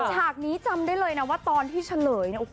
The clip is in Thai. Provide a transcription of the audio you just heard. ฉากนี้จำได้เลยนะว่าตอนที่เฉลยเนี่ย